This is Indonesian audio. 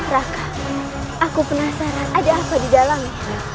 raka aku penasaran ada apa di dalam